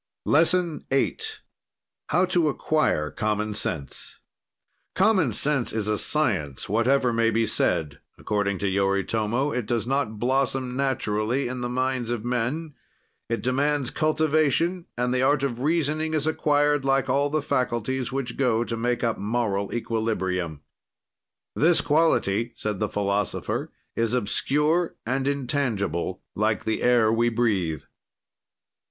LESSON VIII HOW TO ACQUIRE COMMON SENSE Common Sense is a science, whatever may be said; according to Yoritomo, it does not blossom naturally in the minds of men; it demands cultivation, and the art of reasoning is acquired like all the faculties which go to make up moral equilibrium. "This quality," said the philosopher, "is obscure and intangible, like the air we breathe.